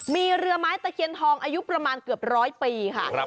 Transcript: มีเรือไม้ตะเคียนทองอายุประมาณเกือบร้อยปีค่ะ